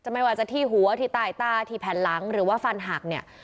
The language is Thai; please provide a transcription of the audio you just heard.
ไม่ว่าจะที่หัวที่ใต้ตาที่แผ่นหลังหรือว่าฟันหักเนี่ย